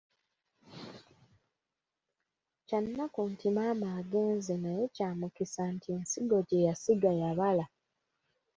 Kyannaku nti maama agenze naye kya mukisa nti ensigo gye yasiga yabala.